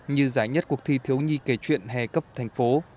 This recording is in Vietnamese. như giải nhất cuộc thi thiếu nhi kể chuyện hè cấp thành phố